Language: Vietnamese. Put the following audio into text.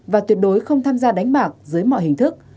và tuyệt đối không tham gia đánh bạc dưới mọi hình thức